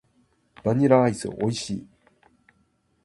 バニラアイス美味しい。